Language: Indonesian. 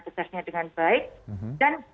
pekerjaannya dengan baik dan